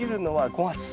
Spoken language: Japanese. ５月。